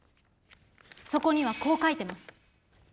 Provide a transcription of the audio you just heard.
そこにはこう書いてます。